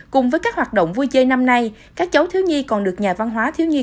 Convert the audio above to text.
cùng với các hoạt động vui chơi năm nay các cháu thiếu nhi còn được nhà văn hóa thiếu nhi